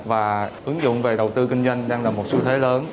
và ứng dụng về đầu tư kinh doanh đang là một xu thế lớn